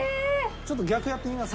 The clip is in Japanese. ちょっと逆やってみます？